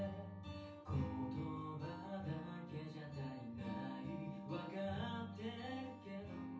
言葉だけじゃ足りないわかっているけど